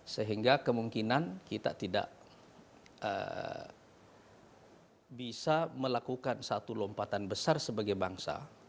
sehingga kemungkinan kita tidak bisa melakukan satu lompatan besar sebagai bangsa